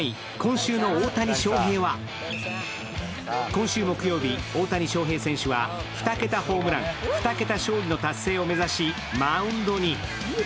今週木曜日、大谷翔平選手は２桁ホームラン、２桁勝利の達成を目指し、マウンドに。